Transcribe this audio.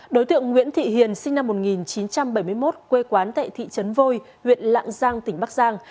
đối tượng nguyễn thị hiền sinh năm một nghìn chín trăm bảy mươi một quê quán tại thị trấn vôi huyện lạng giang tỉnh bắc giang